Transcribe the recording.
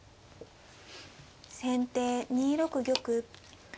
先手２六玉。